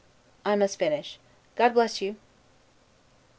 I must finish: God bless you!